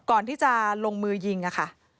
ก่อนที่จะลงมือยิงค่ะ